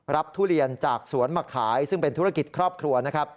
รับทุเรียนจากสวนหมักขายซึ่งเป็นธุรกิจครอบครัว